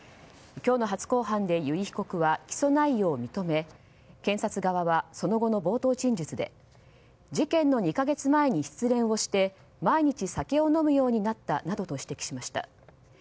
今日の初公判で由井被告は起訴内容を認め検察側はその後の冒頭陳述で事件の２か月前に失恋をして毎日酒を飲むようになったなどと指摘しました。